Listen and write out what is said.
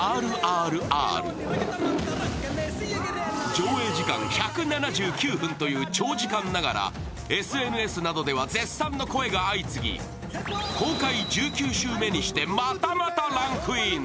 上映時間１７９分という長時間ながらＳＮＳなどでは絶賛の声が相次ぎ公開１９週目にしてまたまたランクイン。